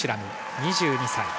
２２歳。